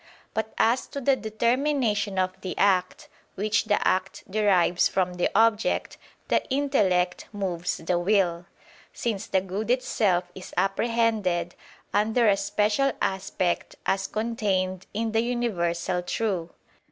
But as to the determination of the act, which the act derives from the object, the intellect moves the will; since the good itself is apprehended under a special aspect as contained in the universal true.